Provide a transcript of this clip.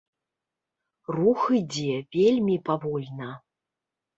Рух ідзе вельмі павольна.